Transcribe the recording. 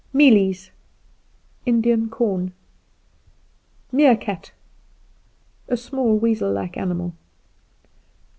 Mealies Indian corn. Meerkat A small weazel like animal.